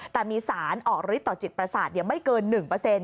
แต่มีสารออกฤทธิต่อจิตประสาทไม่เกิน๑